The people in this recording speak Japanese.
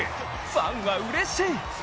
ファンはうれしい！